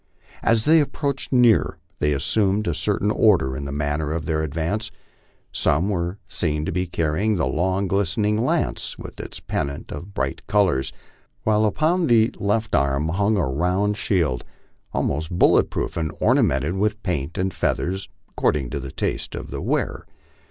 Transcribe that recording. As they approached nearer they assumed a certain order in the manner of their advance. Some were to be seen carrying Iho long glistening lance with its pennant of bright colors; while upon the MY LIFE ON THE PLAINS. 65 left arm hung the round shield, almost bullet proof, and ornamented with paint and feathers according to the taste of the wearer.